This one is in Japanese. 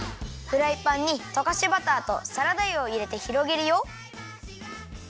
フライパンにとかしバターとサラダ油をいれてひろげるよ。